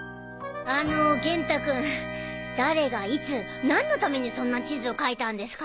あの元太君誰がいつ何のためにそんな地図を描いたんですか？